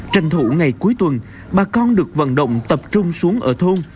tranh thủ ngày cuối tuần bà con được vận động tập trung xuống ở thôn